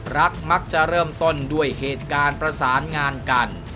มักจะเริ่มต้นด้วยเหตุการณ์ประสานงานกัน